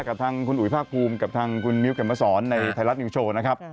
กับทางคุณอุ๋ยภาคภูมิกับทางคุณมิ้วเข็มมาสอนในไทยรัฐนิวโชว์นะครับ